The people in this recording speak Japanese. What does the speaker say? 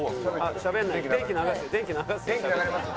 電気流すよ。